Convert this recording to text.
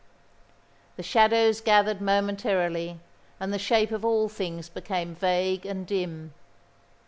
The shadows gathered momentarily and the shapes of all things became vague and dim.